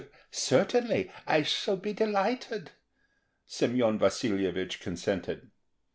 "Certainly, I shall be delighted," Semyon Vasilyevich consented.